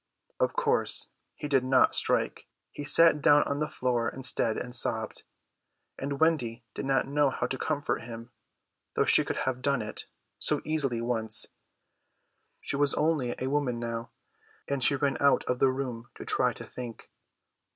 Of course he did not strike. He sat down on the floor instead and sobbed; and Wendy did not know how to comfort him, though she could have done it so easily once. She was only a woman now, and she ran out of the room to try to think.